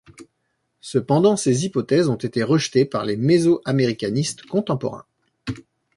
Cependant, ces hypothèses ont été rejetées par les mésoaméricanistes contemporains.